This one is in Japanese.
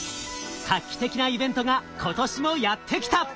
画期的なイベントが今年もやって来た！